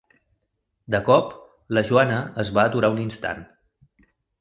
De cop, la Joana es va aturar un instant.